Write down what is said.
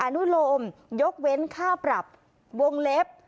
อนุโลมยกเว้นค่าปรับวงเล็บ